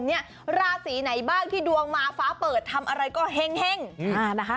เนี้ยราศีไหนบ้างที่ดวงมาฟ้าเปิดทำอะไรก็เฮ่งเฮ่งอืมอ่านะคะ